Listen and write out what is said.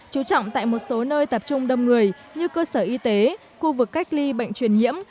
chú trọng tại một số nơi tập trung đông người như cơ sở y tế khu vực cách ly bệnh truyền nhiễm